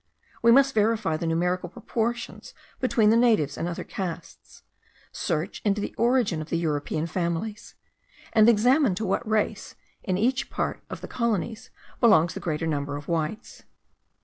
We must verify the numerical proportions between the natives and other castes; search into the origin of the European families, and examine to what race, in each part of the colonies, belongs the greater number of whites.